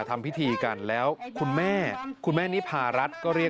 กลับบ้านกลับช่องน่าสนุกเลย